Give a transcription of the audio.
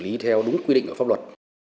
sử lý theo đúng quy định của pháp luật